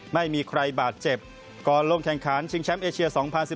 ไม่มีใครบาดเจ็บก่อนลงแข่งขันชิงแชมป์เอเชีย๒๐๑๙